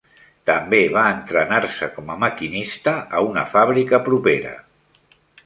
També va entrenar-se com a maquinista a una fàbrica propera.